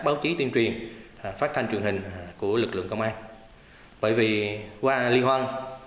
báo chí tuyên truyền phát thanh truyền hình của lực lượng công an bởi vì qua liên hoan